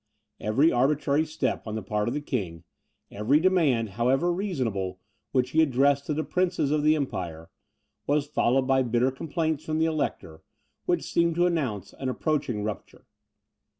Every arbitrary step on the part of the King, every demand, however reasonable, which he addressed to the princes of the Empire, was followed by bitter complaints from the Elector, which seemed to announce an approaching rupture.